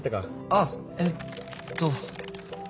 あっえっと。